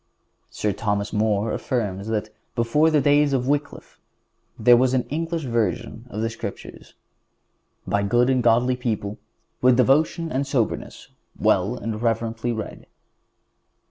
Sir Thomas More affirms that, before the days of Wycliffe, there was an English version of the Scriptures, "by good and godly people with devotion and soberness well and reverently read."